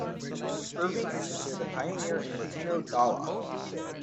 Irving is considered a pioneer in Latino Dawah.